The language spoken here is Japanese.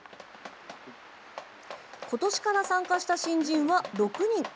今年から参加した新人は６人。